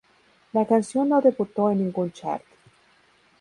La canción no debutó en ningún chart.